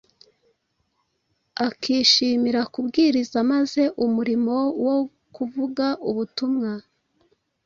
akishimira kubwiriza maze umurimo wo kuvuga ubutumwa